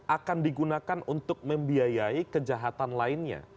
akan digunakan untuk membiayai kejahatan lainnya